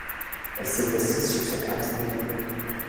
Elle s'est assise sur son hamster.